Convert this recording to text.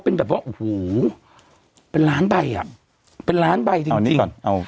เป็นแบบว่าโหเป็นล้านใบอ่ะเป็นล้านใบเอานี่ก่อนเอา